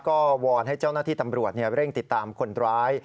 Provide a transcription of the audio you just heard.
ก็วอนให้เจ้าหน้าที่ตำรวจเร่งติดตามคนร้าย